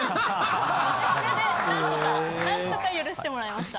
それで何とか何とか許してもらえました。